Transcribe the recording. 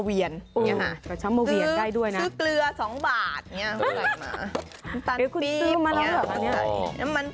ที่คุณได้มาจะมีผลมงค์ผลไม้อะไรต่าง